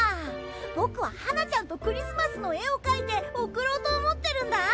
僕ははなちゃんとクリスマスの絵を描いて贈ろうと思ってるんだ！